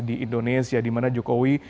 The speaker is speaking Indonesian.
di indonesia dimana jokowi